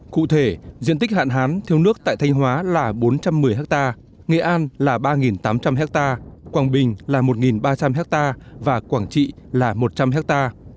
cụ thể diện tích hạn hán thiếu nước tại thanh hóa là bốn trăm một mươi ha nghệ an là ba tám trăm linh ha quảng bình là một ba trăm linh ha và quảng trị là một trăm linh ha